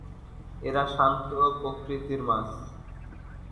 এরা শান্ত প্রকৃতির মাছ।